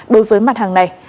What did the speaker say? đối với mặt hàng hàng